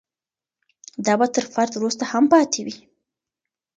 دا به تر فرد وروسته هم پاتې وي.